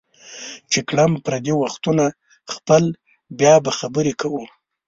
چې کړم پردي وختونه خپل بیا به خبرې کوو